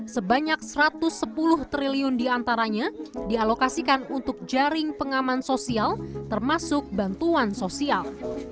sebanyak rp satu ratus sepuluh triliun diantaranya dialokasikan untuk jaring pengaman sosial termasuk bantuan sosial